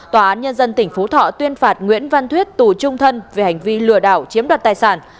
tòa án nhân dân tỉnh phú thọ tuyên phạt nguyễn văn thuyết tù trung thân về hành vi lừa đảo chiếm đoạt tài sản